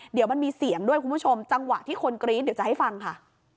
เดี๋ยวมันมีเสียงด้วยคุณผู้ชมจังหวะที่คนกรี๊ดเดี๋ยวจะให้ฟังค่ะ